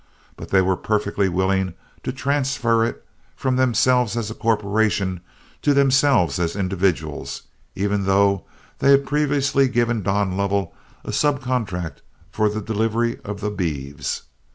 But they were perfectly willing to transfer it, from themselves as a corporation, to themselves as individuals, even though they had previously given Don Lovell a subcontract for the delivery of the bees.